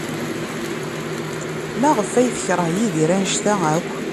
Maɣef ay tekṛeh Yidir anect-a akk?